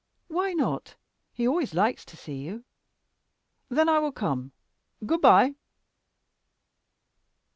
"Why not? He always likes to see you." "Then I will come. Good bye."